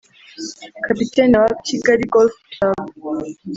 Kapiteni wa Kigali Golf Club